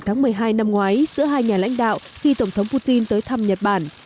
ngày một mươi hai năm ngoái giữa hai nhà lãnh đạo khi tổng thống putin tới thăm nhật bản